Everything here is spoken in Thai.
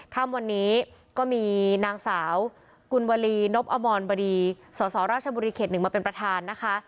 ค่ำวันนี้ก็มีนางสาวกุลวลีนบอมรบดีสสราชบุรีเขตหนึ่งมาเป็นประธานนะคะ